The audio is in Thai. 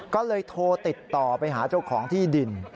ก็เลยโทรติดต่อไปหาเจ้าของที่ดิน